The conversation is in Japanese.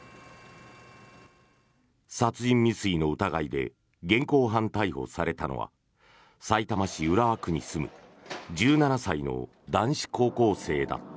殺人未遂の疑いで現行犯逮捕されたのはさいたま市浦和区に住む１７歳の男子高校生だった。